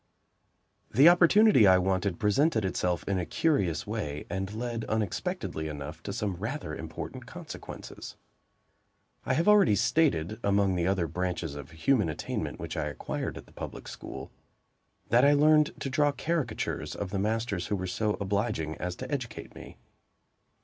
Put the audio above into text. THE opportunity I wanted presented itself in a curious way, and led, unexpectedly enough, to some rather important consequences. I have already stated, among the other branches of human attainment which I acquired at the public school, that I learned to draw caricatures of the masters who were so obliging as to educate me.